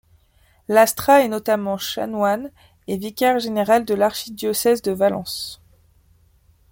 Lastra est notamment chanoine et vicaire général de l'archidiocèse de Valence.